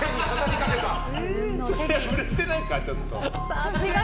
手、震えてないかちょっと。